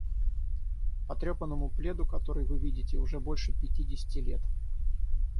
Потрёпанному пледу, который вы видите, уже больше пятидесяти лет.